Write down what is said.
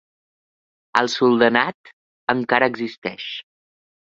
El soldanat encara existeix.